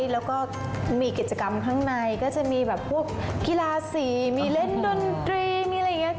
แล้วก็มีกิจกรรมข้างในก็จะมีแบบพวกกีฬาสีมีเล่นดนตรีมีอะไรอย่างนี้